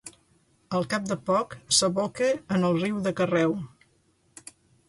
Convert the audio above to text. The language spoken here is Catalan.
Al cap de poc s'aboca en el riu de Carreu.